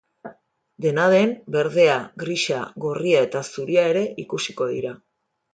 Dena den, berdea, grisa, gorria eta zuria ere ikusiko dira.